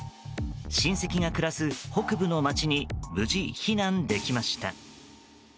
親戚が暮らす北部の街に無事、避難できました。